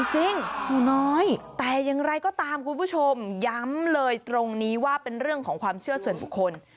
จริงหนูน้อยแต่อย่างไรก็ตามคุณผู้ชมย้ำเลยตรงนี้ว่าเป็นเรื่องของความเชื่อส่วนบุคคล